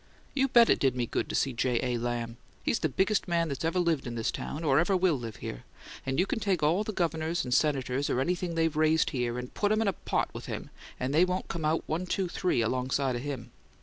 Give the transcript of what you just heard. You bet it did me good to see J. A. Lamb! He's the biggest man that's ever lived in this town or ever will live here; and you can take all the Governors and Senators or anything they've raised here, and put 'em in a pot with him, and they won't come out one two three alongside o' him!